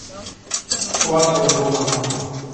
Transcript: Хватка у него моя.